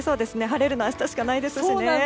晴れるのは明日しかないですしね。